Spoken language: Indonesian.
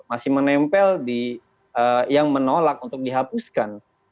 masih menempel di yang menolak untuk dihapuskan